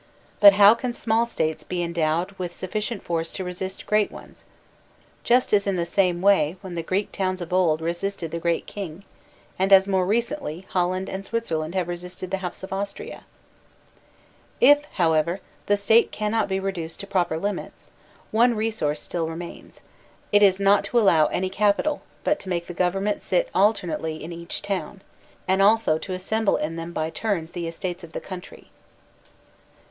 But how can small States be endowed with 8u£Bicient force to resist great ones? Just in the same way as when the Greek towns of old resisted the Great King, and as more recently Holland and Switzerland have resisted the House of Austria 82 THE SOCIAL CONTRACT If, however, the State cannot be reduced to pxx>per limits, one resource still remains; it is not to allow any capital, but to make the government sit alternately in each town, and also to assemble in them by turns the estates of the country.